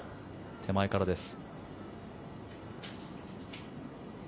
手前からです。